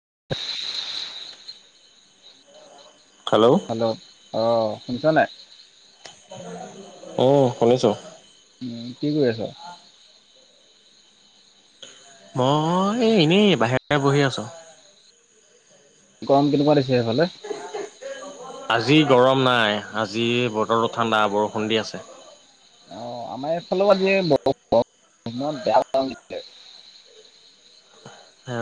[inaudible] Hello hello অ শুনিছা নাই? উম শুনিছো। উম কি কৰি আছা। মই এই এনেই বাহিৰতে বহি আছোঁ। গৰম কেনেকুৱা দিছে সেইফালে? আজি গৰম নাই আজি বতৰটো ঠাণ্ডা বৰষুণ দি আছে। অ আমাৰ এইফালেও আজি। [unintelligible] তছে। [unintelligible] অ।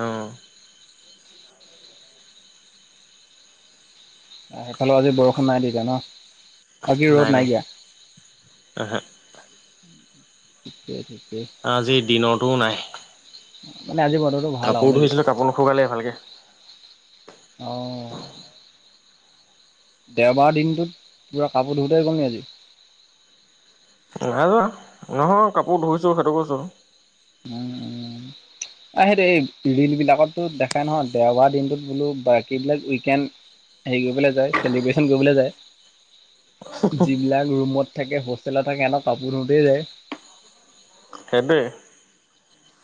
সেইফালে আজি বৰষুণ নাই তেতিয়া ন? আজি ৰ'দ নাই দিয়া। আহা ঠিকে আজি দিনতো নাই। মানে আজি বাৰটো ভাল কাপোৰ আৰু নে কি। ধুইছিলোঁ কাপোৰ নুশুকালে ভালকে। অ। দেওবাৰ দিনটোত পুৰা কাপোৰ ধুতেই গ'ল নি আজি? নাই যোৱা নহয় কাপোৰ ধুইছো সেইটো কৈছো। আহ সেই ৰিল বিলাকতো দেখাই নহয় দেওবাৰ দিনটোত বোলো বাকীবিলাক উইকেণ্ড হেৰি কৰিবলৈ যায় চেলিব্ৰেশচন কৰিবলৈ যায়। যিবিলাক ৰুমত থাকে হোষ্টেলত থাকে হেত কাপোৰ ধুতেই যায়। সেইটোয়ে।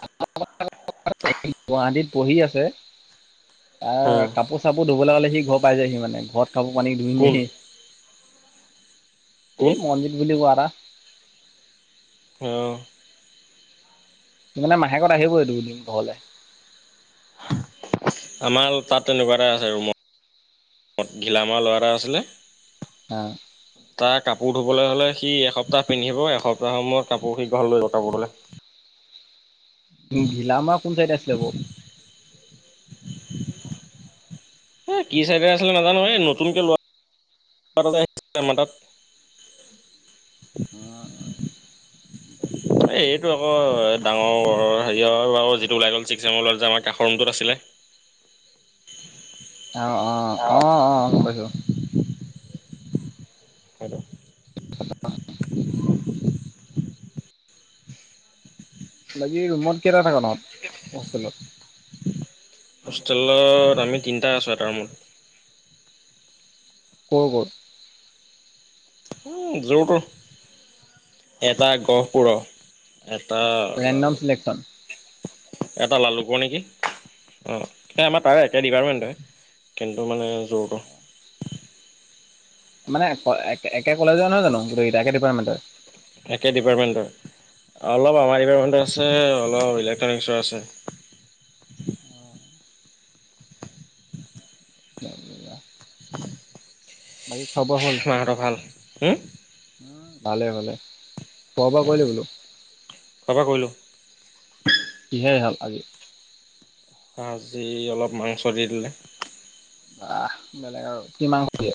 [unintelligible] গুৱাহাটীত পঢ়ি আছে এ উম কাপোৰ কাপোৰ ধুবলে হলে সি ঘৰ পাই যায় সি মানে ঘৰত কাপোৰ-কানি ধুই কোন নেহি কোন এই মনজিৎ বুলি কোৱা এটা। অঁ মানে মাহেকত আহিবই দুদিন ঘৰলে। আমাৰ তাত তেনেকুৱা এটা আছে ৰুমত, ঘিলামাৰ ল'ৰা এটা আছিলে। অ তাৰ কাপোৰ ধুবলৈ হ'লে সি এসপ্তাহ পিন্ধিব এসপ্তাহৰ সময়ত কাপোৰ সি ঘৰলে লৈ যাব কাপোৰ ধুবলে। উ ঘিলামাৰ কোন চাইডে আছিলে বাৰু? এ কি চাইডে আছিলে নাজানো এই নতুকে ল'ৰা আহ আমাৰ তাত, [inaudible] এই এইটো আকৌ ডাঙৰ হেৰিয়াৰ ভাগৰ যিটো ওলাই গ'ল ছিক্স চেমৰ যোৱা আমাৰ কাষৰ ৰুমটোত আছিলে। আহ অ সেইটো আহ অ গম পাইছোঁ। হেল্ল', [unintelligible] তহতি ৰুমত কেইটা থকা নহলে হোষ্টেলত। হোষ্টেলত আমি তিনিটা আছোঁ এটাৰ ৰুমত। ক'ৰ ক'ৰ। উ জৰ তৰ এটা গহপুৰ। এটা, ৰেণ্ডম চিলেকশ্যন এটা লালুকৰ নেকি অ এই আমাৰ তাৰে একে ডিপাৰ্টমেণ্ট হয়। কিন্তু মানে জৰ তৰ। মানে একে কলেজৰ নহয় জানো গোটেই কেইটা একে ডিপাৰ্টমেণ্টৰে। একে ডিপাৰ্টমেণ্টৰ অলপ আমাৰ ডিপাৰ্টমেণ্টৰ আছে, অলপ ইলেক্ট্ৰনিকছৰ আছে। অ, [unintelligible] বাকী খোৱা বোৱা হ'ল মাহঁতৰ ভাল উম ভালে ভালে। খোৱা বোৱা কৰিলি উম বোলো খোৱা-বোৱা কৰিলোঁ। কিহেৰে হ'ল আজি। আজি অলপ মাংস দি দিলে। বা বেলেগ আৰু কি মাংস দিয়ে।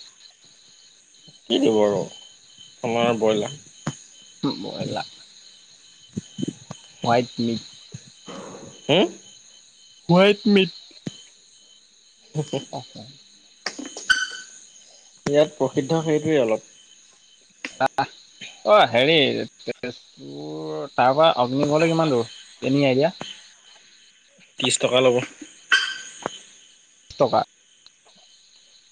কি দিব আৰু আমাৰ বইলাৰ। উম বইলা। ফাইভ মিট, হো বয়েল মিট, [unintelligible] ইয়াত প্ৰসিদ্ধ সেইটোৱে অলপ। আ আ অ হেৰি। তোৰ তাৰপৰা অগ্নিগড়লৈ কিমান দূৰ এনি আই দিয়া। ত্ৰিছ টকা ল'ব। টকা।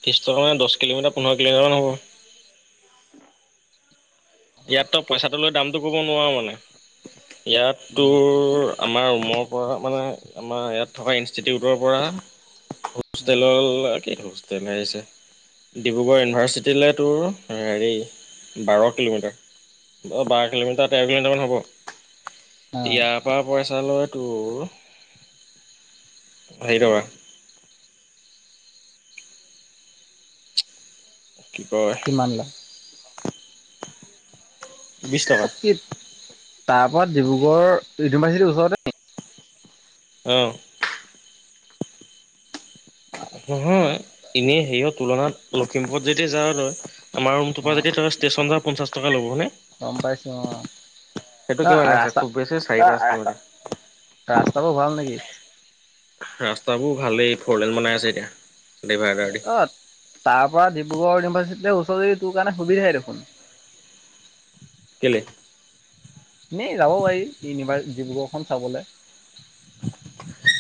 ত্ৰিশ টকা, দহ কিলোমিটাৰ, পোন্ধৰ কিলোমিটাৰ হ'ব। ইয়াত তো পইচাটো লৈ দামতো ক'ব নোৱাৰো মানে ইয়াত তোৰ, আমাৰ ৰুমৰ পৰা মানে আমাৰ ইয়াত থকা ইনষ্টিটিউটৰ পৰা। হোষ্ট তেলৰ [unintelligible] তেনেছে ডিব্ৰুগড় ইউনিভাৰ্চিটিলৈ তোৰ হেৰি বাৰ কিলোমিটাৰ। অ বাৰ কিলোমিটাৰ তেৰ কিলোমিটাৰ মান হ'ব অ ইয়াত, পা পইচা লৈ তোৰ হেৰি টকা। কি কয়। কিমান লয়। বিশ টকা তাৰ পৰা ডিব্ৰুগড় ইউনিভাৰ্চিটিৰ ওচৰতে, অ নহয় এনেই হেৰিয়ৰ তুলনাত লখিমপুৰত যেতিয়া যাও তই। আমাৰ ৰুমটো অ পৰা যদি তই ষ্টেচন যাও পঞ্চা টকা ল'ব হয়নে। গম পাইছো অ ন সেইটো কিমান আছে ৰাস্তা খুব বেছি চাৰি পাঁচ ঘ ৰাস্তাবোৰ ভাল নেকি? ৰাস্তাবোৰ ভালেই ফৰলেন বনাই আছে এতিয়া। ডিভাইডাৰ দি অ তাৰ পৰা ডিব্ৰুগড় ইউনিভাৰ্চিটিলৈ ওচৰ যদি তোৰ কাৰণে সুবিধাই দেখোন। কেলে, এ যাব পাৰি ইউনিভাৰ ডিব্ৰুগড়খন চাবলে।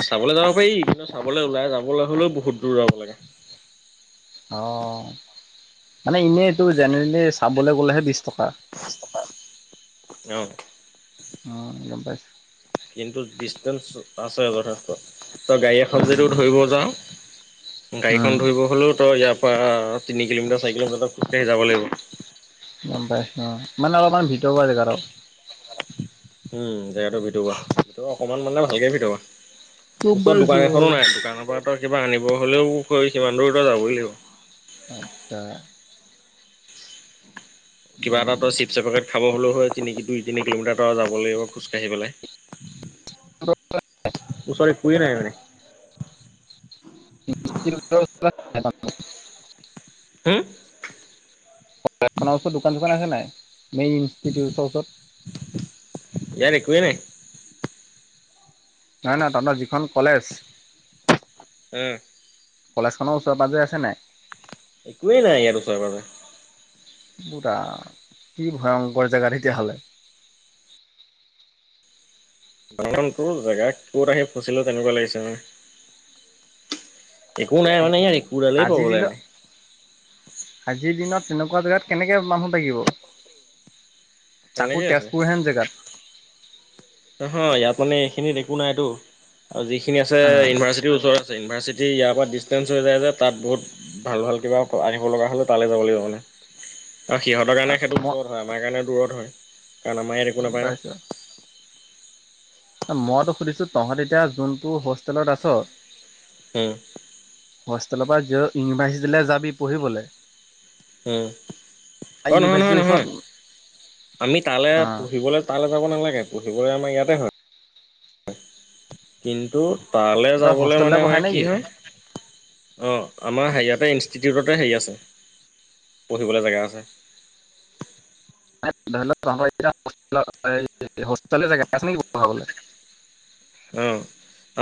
চাবলৈ যাব পাৰি কিন্তু চাবলৈ ওলাই যাবলৈ হলেও বহুত দূৰ যাব লাগে। অ মানে এনেই এইটো জেনেৰেলি চাবলৈ গ'লেহে বিশ টকা৷ অ অ গম পাইছো৷ কিন্তু ডিচতেন্স আছে যথেষ্ট৷ তই গাড়ী এখন যদিও উম ধৰিব যাও উম। গাড়ীখন ধৰিব হ'লেও তো ইয়াৰ পৰা তিনি কিলোমিটাৰ চাৰ কিলোমিটাৰত খোজকাঢ়ি যাব লাগিব। গম পাই অ মানে অলপমান ভিতৰুৱা জেগাত আৰু উম জেগাতটো ভিতৰুৱা ভ অকমান মানে ভালকে ভিতৰুৱা৷ গম ওচৰত পাইছো দোকান অ এখনো নাই দোকানৰ পৰা তই কিবা আনিব হ'লেও সিমান দূৰত যাবই লাগিব৷ আচ্ছা কিবা এটা চি পচ পেকেট খাব হ'লেও হয় তিনি দুই তিনি কিলোমিটাৰ যাব লাগিব খোজকাঢ়ি পেলাই৷ ওচৰে একোৱে নাই মানে? [unintelligible] হম নৰ [unintelligible] ওচৰত দোকান চোকান আছে নাই মেইন ইনষ্টিউটৰ ওচৰত? ইয়াৰ একোৱেই নাই৷ নাই নহ তাতৰ যিখন কলেজ উম। কলেজখনৰ ওচৰে পাজৰে আছে নাই? একোৱেই নাই ইয়াত ওচৰে পাজৰে। বুতা কি ভয়ংকৰ জেগা তেতিয়াহ'লে। দঙনটোৰ জেগা ক'ত আহি ফুচো তেনেকুৱা লাগিছে নহ একো নাই মানে ই একোডালেই আজিৰ পাবলৈ দিনত নাই। আজিৰ দিনত তেনেকুৱা জেগাত কেনেকে মানুহ থাকিব? চাকো তেনেকেই আছে। তেজপুৰ হেন জেগাত৷ নহয় ইয়াত মানে এইখিনিত একো নাইতো যিখিনি আছে অ ইভাৰ্চি ওচৰ আছে ইউনিভাৰ্চিটি ইয়াৰ পৰা ডিষ্টেঞ্চ হৈ যায় যে তাত বহুত ভাল-ভাল কিবা আহিব লগা হলে তালৈ যাব লাগিব মানে। আৰু সিহঁতৰ কাৰণে সেইটো মই ওচৰত হয় আমাৰ কাৰণে দূৰত হয় কাৰণ আমাৰ এক একো গম নাপায় ন৷ পাইছো মইতো সুধিছো তহঁত এতিয়া যোনটো হোষ্টেলত আছ উম্। হোষ্টেলৰ পৰা [unintelligible] ইউনিভাৰ্চিটিলে যাবি পঢ়িবলে উম অ ইউনিভাৰ্চিটিৰ ওচৰত নহয়-নহয়-নহয় অ আমি তালে পঢ়িবলে তালে যাব নালাগে পঢ়িবলে আমাৰ ইয়াতে হয়। কিন্তু তালে তহঁতৰ যাবলে হোষ্টেলতে মানে আমাৰ পঢ়াই কি নেকি? হয় অঁ আমাৰ হে ইয়াতে ইনষ্টিটিউটতে হেৰি আছে পঢ়িবলে জেগা আছে। ধৰি ল তহঁতৰ [unintelligible] হোষ্টেলে জেগা আছে নেকি পঢ়াবলে? অ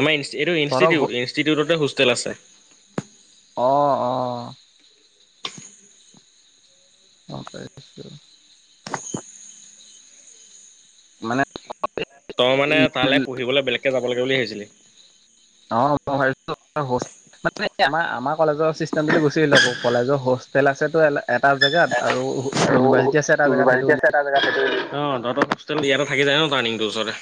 আমাৰ ই এইটো তহঁতৰ ঘ ইঞ্চিটিউট ইঞ্চিটিউটতে হোষ্টেল আছে। অ-অ। [inaudible] মানে তই মানে তালে পঢ়িবলে বেলেগকে যাব লাগে বুলি ভাবিছিলি? অ [unintelligible] মানে আমাৰ আমাৰ কলেজৰ চিষ্টেমটো গুচি আহিলো আকৌ কলেজৰ হোষ্টেল আছে টো এটা জেগাত আৰু ইউনিভাৰ্চিটি আছেত ইউনিভাৰ্চিটি আছে এটা জেগাত, অ তহঁতৰ হোষ্টেলটো এইয়াতে থাকি যাই ন টাৰ্ণিং টোৰ ওচৰতে?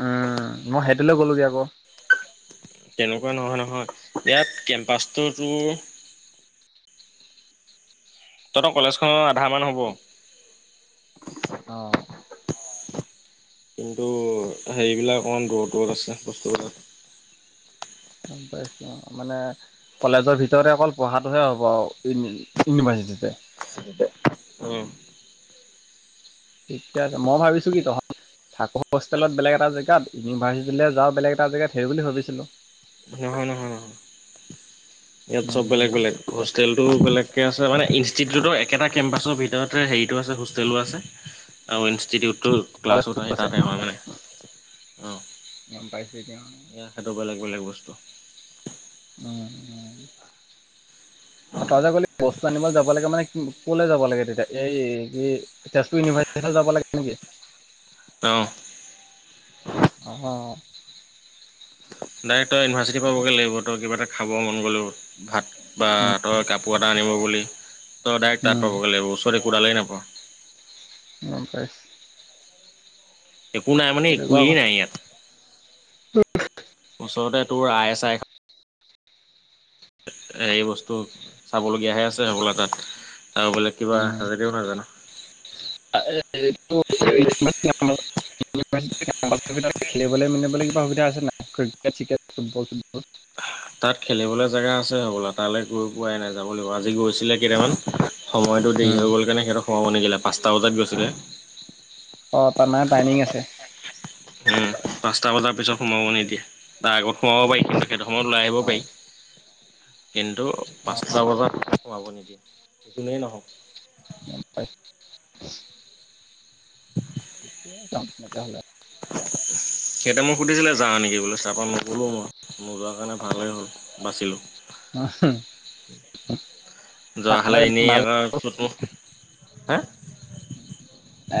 উম মই সেইটোলে গ'লোগে আক। তেনেকুৱা নহয় নহয় ইয়াত কেম্পাছটো তোৰ তহঁতৰ কলেজখনৰ আধামান হ'ব। অ। কিন্তু হেৰিবিলাক অকণমান দূৰত দূৰত আছে বস্তুবিলাক। গম পাইছোঁ অ। মানে কলেজৰ ভিতৰতে অকল পঢ়াটোহে হ'ব আও, ই ইউনিভাৰ্চিটিতে। উম ঠিকে আছে মই ভাবিছো কি তহঁত থাক হোষ্টেলত বেলেগ এটা জেগাত ইউনিভাৰ্চিটিলে যাওঁ বেলেগ এটা জেগাত, সেই বুলি ভাবিছিলো। নহয় নহয় নহয়, ইয়াত চব বেলেগ বেলেগ হোষ্টেল টো বেলেগকে আছে মানে ইনষ্টিটিউটৰ একেটা কেম্পাছৰ ভিতৰতে হেৰিতটো আছে হোষ্টেলো আছে। আৰু ইনষ্টিউটটো ক্লাছত আহি আছে তাতে হয় মানে। গম পাইছো এতিয়া। এ সেইটো বেলেগ বেলেগ বস্তু। [unintelligible] তই যে কলি বস্ত- টো আনিবলে যাব লাগে মানে কি? কলে যাব লাগে তেতিয়া এই কি তেজপুৰ ইউনিভাৰ্চিটি যাব লাগে নেকি? অ। অ। ডাইৰেক্ট তই ইউনিভাৰ্চিটি পাবগে লাগিব তই কিবা এটা খাব মন গ'লো, ভাত বা ত তই কাপোৰ এটা আনিব বুলি তই ডাইৰেক্ট তাত উম, পাবগে লাগিব, ওচৰত একোডালেই নাপাওঁ। গম পাইছ- একো নাই মানে সেইটো একোৱেই নাই ইয়াত। ওচৰতে তোৰ আই এ চ আই খ- এই বস্তু চাবলগীয়া হে আছে সবলা তাত। আৰু বোলে কিবা হাজদিও নাজানো। [unintelligible] [unintelligible] খেলিবলে মেলিবলে কিবা সুবিধা আছে নাই, ক্ৰিকেট-চিক্ৰেত, ফুটবল - চুতবল? তাত খেলিবলে জেগা আছে হবলা? তালে গৈ পোৱাই নাই যাব লাগিব আজি গৈছিলে কেইটামান। সময়টো দেৰি হৈ গল কাৰণে সিহত সোমাব নিদিলে, পাঁচটা বজাত গৈছিলে। অ তাত মানে টাইমিং আছে। [inaudible] উম পাঁচটা বজাৰ পিছত সোমাব নিদিয়ে, তাৰ আগত সোমাব পাৰি কিন্তু। সেটো সময়ত ওলাই আহিব পাৰি অ' কিন্তু পাঁচটা অ' বজাত সোমাব নিদিয়ে যোনেই নহওক। গম পাইছ- [inaudible] [unintelligible] সিহঁতে মোক সুধিছিলে যাওঁ নেকি বুলি চা পা নগলো মই নোযোৱা কাৰণে ভালেই হ'ল বাচিলো। যোৱা খালে তহঁতক এদিন এনেই ভাল আক [unintelligible] হে।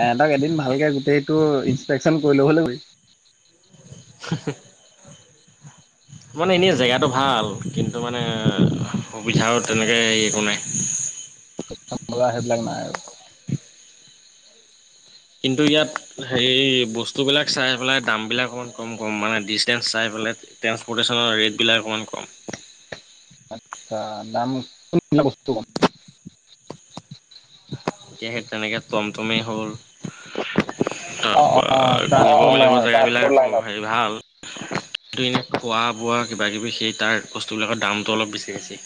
এ তাক এদিন ভালকে গোটেইটো ইন্সপেক্টচন কৰি ল'বলৈ কবি। [unintelligible] মানে এনেই জেগাতটো ভাল কিন্তু মানে সুবিধাও তেনেকে হে একো নাই। বজাৰ সেইবিলাক নাই আৰু। কিন্তু ইয়াত হেৰি বস্তুবিলাক চাই পেলাই দামবিলাক অকণমান কম কম মানে ডিচষ্টেঞ্চ চাই পেলাই। ট্ৰেন্সপোৰ্টেচনৰ ৰেটবিলাক অকমান কম আচ্ছা দাম কোনবিলাক বস্তু কম এতিয়া সেই তেনেকে টমটমেই হ'ল তা অ অ পা ঘুৰিব ট্ৰান্সপৰ্ট লাগিব লাইনত জেগা বিলাক হেৰি ভাল। কিন্তু এনে খোৱা বোৱা কিবা কিবি সেই তাৰ বস্তুবিলাকৰ দামটো অলপ বেছি বেছি।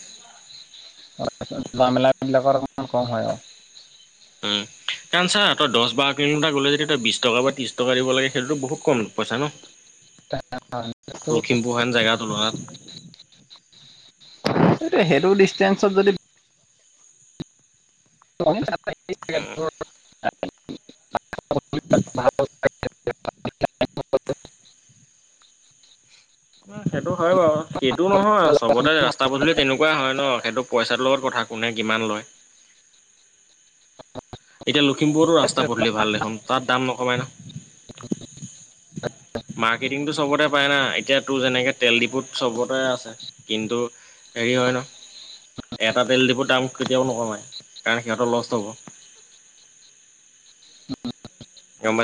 যোৱা মেলা বিলাকত অকমান কম হয় আও। উম কাৰণ চা তই দছ বাৰ কিলোমিটাৰ গ'লে যদি তই বিছ টকা বা ত্ৰিশ টকা দিব লাগে সেইটোতো বহুত কম পইচা ন সেইটো লখিমপুৰ হেন জেগাৰ তুলনাত এ সেইটো ডিচষ্টেনচত যদি উম, [unintelligible] উম সেইটো হয় বাৰু সেইটো নহয় চবতে ৰাস্ স্তা পদুলি তেনেকুৱা হয় ন সেইটো পইচাটোৰ লগত কথা কোনে কিমান লয় এতিয়া লখিমপুৰটো ৰাস্তা পদূলি ভাল দেখোন তাত দাম নকমাই ন মাৰ্কেটিংটো চবতে পাই না এতিয়া তোৰ যেনেকে তেল ডিপুত চবতে আছে কিন্তু হেৰি হয় ন এটা তেল ডিপুৰ দাম কেতিয়াও নকমাই কাৰণ সিহঁতৰ লষ্ট হ'ব গম